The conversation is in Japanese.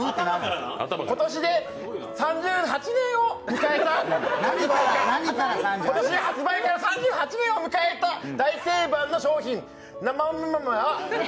今年で３８年を迎えた今年で発売から３８年を迎えた大定番商品。